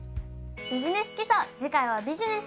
「ビジネス基礎」